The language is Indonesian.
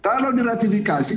kita akan melakukan ratifikasi